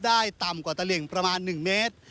ต่ำกว่าตลิ่งประมาณ๑เมตร